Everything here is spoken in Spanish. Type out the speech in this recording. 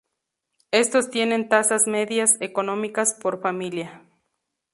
Estos tienen tasas medias económicas por familia.